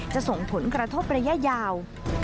จะส่งผลกระทบระยะยาว